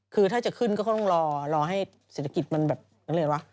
คือถ้าจะขึ้นก็คงต้องรอให้เศรษฐกิจมันแบบนั้นเลยวะ